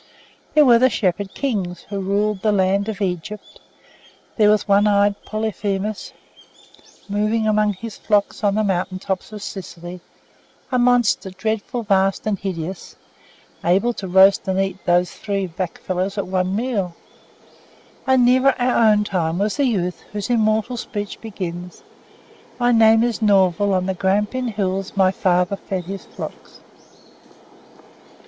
There were the Shepherd Kings, who ruled the land of Egypt. there was one eyed Polyphemus, moving among his flocks on the mountain tops of Sicily; a monster, dreadful, vast, and hideous; able to roast and eat these three blackfellows at one meal. And nearer our own time was the youth whose immortal speech begins, "My name is Norval; on the Grampian Hills my father fed his flocks."